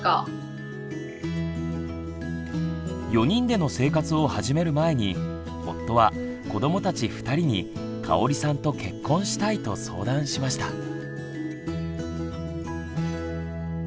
４人での生活を始める前に夫は子どもたち２人にかおりさんと結婚したいと相談しました。